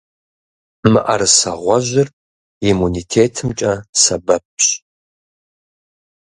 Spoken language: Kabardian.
Мыӏэрысэ гъуэжьыр иммунитетымкӀэ сэбэпщ.